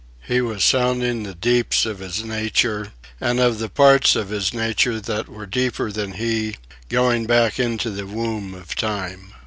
He was sounding the deeps of his nature, and of the parts of his nature that were deeper than he, going back into the womb of Time.